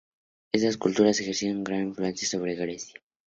Estas culturas ejercieron gran influencia sobre Grecia.